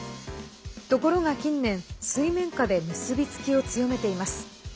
ところが近年、水面下で結び付きを強めています。